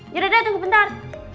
yaudah yaudah tunggu bentar